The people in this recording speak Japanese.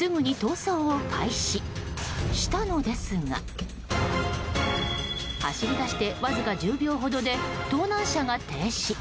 走り出してわずか１０秒ほどで盗難車が停止。